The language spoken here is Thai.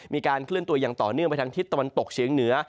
มีการเคลื่อนตัวอย่างต่อเนื่องไปทางทิศตะวันตกเฉียงเหนือ